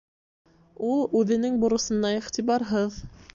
Ул үҙенең бурысына иғтибарһыҙ